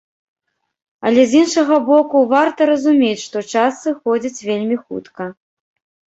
Але з іншага боку, варта разумець, што час сыходзіць вельмі хутка.